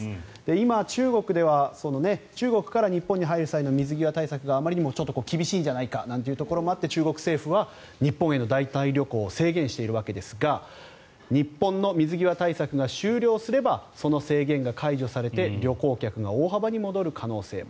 今、中国から日本に入る際の水際対策があまりにも厳しいんじゃないかというところもあって中国政府は日本への団体旅行を制限しているわけですが日本の水際対策が終了すればその制限が解除されて旅行客が大幅に戻る可能性も。